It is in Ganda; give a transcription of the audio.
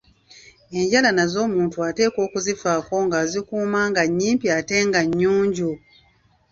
Enjala nazo omuntu ateekwa okuzifaako nga azikuuma nga nnyimpi ate nga nnyonjo.